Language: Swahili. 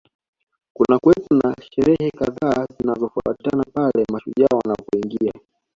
Kunakuwepo na sherehe kadhaa zinazofuatana pale mashujaa wanapoingia